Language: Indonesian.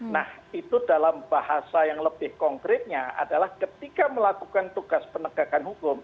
nah itu dalam bahasa yang lebih konkretnya adalah ketika melakukan tugas penegakan hukum